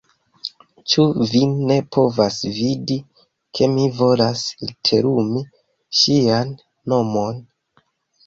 Ĉu vi ne povas vidi, ke mi volas literumi ŝian nomon?